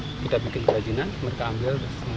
pekerjaan ini dirasakan sangat membantu warga